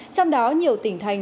trong đó nhiều tỉnh thành